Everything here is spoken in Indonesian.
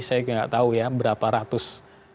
saya nggak tahu ya berapa ratus